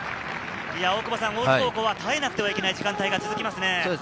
大津高校は耐えなくてはいけない時間帯が続きますね。